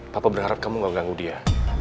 papa berharap kamu gak mengganggu dia